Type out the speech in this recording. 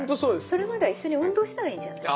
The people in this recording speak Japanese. それまでは一緒に運動したらいいんじゃない？